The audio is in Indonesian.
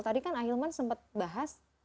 tadi kan ahilman sempat bahas